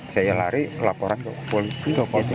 saya lari laporan ke polisi